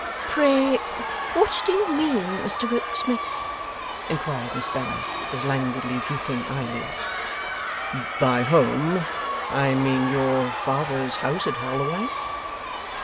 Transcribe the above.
'Pray what may you mean, Mr Rokesmith?' inquired Miss Bella, with languidly drooping eyelids. 'By home? I mean your father's house at Holloway.